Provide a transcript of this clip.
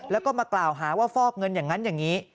แล้วก็มากล่าวหาว่าฟอกเงินอย่างนั้นอย่างนี้